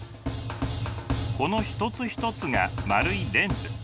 この一つ一つが丸いレンズ。